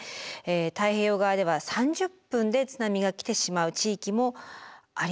太平洋側では３０分で津波が来てしまう地域もありました。